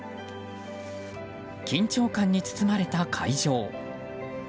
緊張感に包まれた会場。